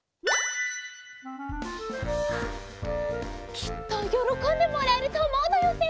きっとよろこんでもらえるとおもうのよね。